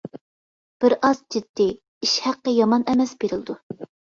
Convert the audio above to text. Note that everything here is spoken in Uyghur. بىر ئاز جىددىي، ئىش ھەققى يامان ئەمەس بېرىلىدۇ.